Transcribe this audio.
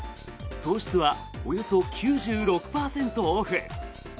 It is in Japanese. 糖質はおよそ９６％オフ。